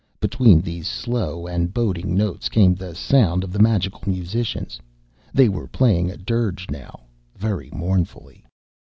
Between these slow and boding notes came the sound of the magical musicians. They were playing a dirge now very mournfully.